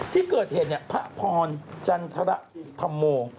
ที่เกิดเหตุเนี่ยพระพรจันทรธรรมโม